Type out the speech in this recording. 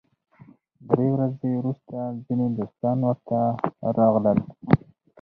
درې ورځې وروسته ځینې دوستان ورته راغلل.